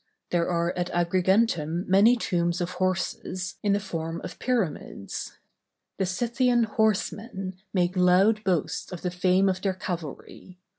There are at Agrigentum many tombs of horses, in the form of pyramids. The Scythian horsemen make loud boasts of the fame of their cavalry.